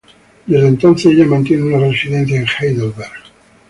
Desde entonces ella mantiene una residencia en Heidelberg.